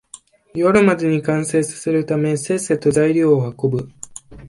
夜までに完成させるため、せっせと材料を運ぶ